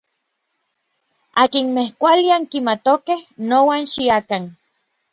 Akinmej kuali ankimatokej, nouan xiakan.